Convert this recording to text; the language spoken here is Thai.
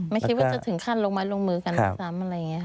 ไม่คิดว่าจะถึงขั้นลงไม้ลงมือกันซ้ำอะไรอย่างนี้ค่ะ